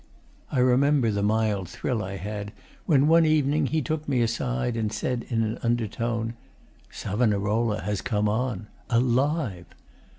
I remember the mild thrill I had when, one evening, he took me aside and said in an undertone, 'Savonarola has come on. Alive!